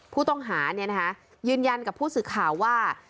ผู้ต้องหายืนยันกับผู้สื่อข่าวว่า